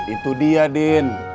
itu dia din